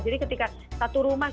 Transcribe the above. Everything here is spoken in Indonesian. jadi ketika satu rumah